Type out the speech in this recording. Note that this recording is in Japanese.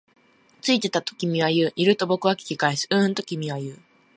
ついてた、と君は言う。いる？と僕は聞き返す。ううん、と君は言う。